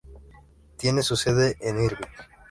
Tiene su sede en Irving.